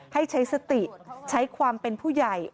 ให้ใช้สติใช้ความเป็นผู้ใหญ่